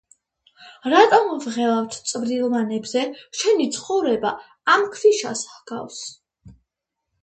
„რატომ ვღელავთ წვრილმანებზე?“ „შენი ცხოვრება ამ ქვიშას ჰგავს.